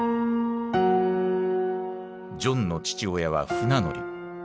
ジョンの父親は船乗り。